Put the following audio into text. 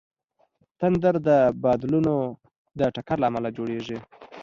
تندر د بادلونو د ټکر له امله جوړېږي.